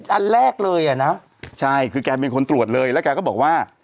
อันแรกเลยอ่ะนะใช่คือแกเป็นคนตรวจเลยแล้วแกก็บอกว่า